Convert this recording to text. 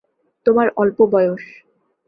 তোমার অল্প বয়স।